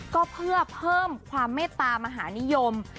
ก็เพื่อเพิ่มความเมตตามหานิยม